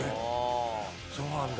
そうなんだ。